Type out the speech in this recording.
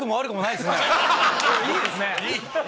今日いいですね！